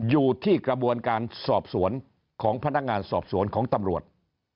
อยู่ที่กระบวนการสอบสวนของพนักงานสอบสวนของตำรวจ